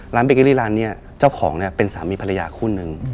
เบเกอรี่ร้านนี้เจ้าของเนี่ยเป็นสามีภรรยาคู่นึง